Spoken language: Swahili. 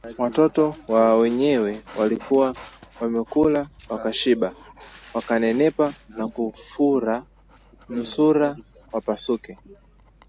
Watoto wa wenyewe walikuwa wamekula wakashiba, wakanenepa na kufura nusura wapasuke